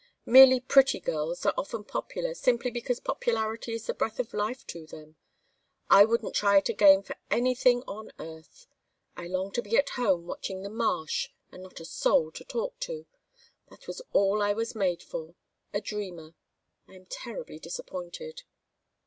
Merely pretty girls are often popular, simply because popularity is the breath of life to them. I wouldn't try it again for anything on earth. I long to be at home watching the marsh, and not a soul to talk to. That was all I was made for. A dreamer! I am terribly disappointed."